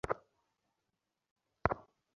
গাড়ি চালাতে না পেরে মানুষের ওপর তুলে দিয়েছে।